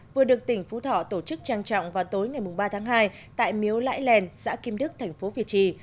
vừa được tỉnh phú thọ tổ chức trang trọng vào tối ngày ba tháng hai tại miếu lãi lèn xã kim đức thành phố việt trì